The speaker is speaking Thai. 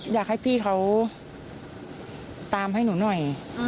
อยากให้พี่เขาตามให้หนูหน่อย